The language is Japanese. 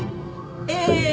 ええ。